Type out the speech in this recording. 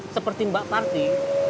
seperti mbak parti